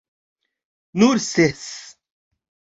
Nur ses!